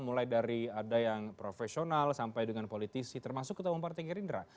mulai dari ada yang profesional sampai dengan politisi termasuk ketua kompor tinggi rindera